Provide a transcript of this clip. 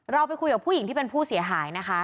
เราไปคุยกับผู้หญิงที่เป็นผู้เสียหายนะคะ